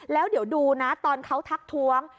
แล้วเดี๋ยวดูนะตอนเขาทักท้วง